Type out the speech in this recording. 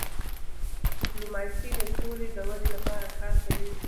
ډيپلوماسي د سولې د ودی لپاره کار کوي.